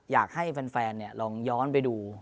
อยากให้แฟนลองย้อนไปดู